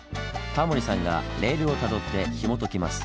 タモリさんがレールをたどってひもときます。